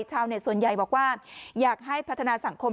ชาวเน็ตส่วนใหญ่บอกว่าอยากให้พัฒนาสังคม